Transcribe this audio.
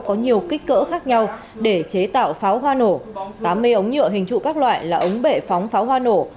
có nhiều kích cỡ khác nhau để chế tạo pháo hoa nổ tám mươi ống nhựa hình trụ các loại là ống bệ phóng pháo hoa nổ